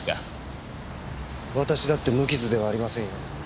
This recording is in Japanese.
私だって無傷ではありませんよ。